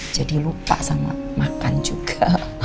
jadi lupa sama makan juga